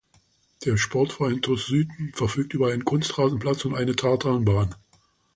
Der Sportverein TuS Sythen verfügt über einen Kunstrasenplatz und eine Tartanbahn.